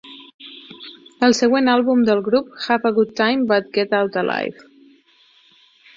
El següent àlbum del grup, "Have a Good Time but Get out Alive!"